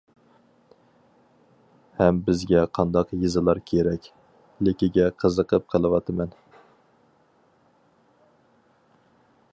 ھەم «بىزگە قانداق يېزىلار كېرەك» لىكىگە قىزىقىپ قېلىۋاتىمەن.